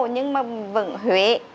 nhưng mà vẫn huyệt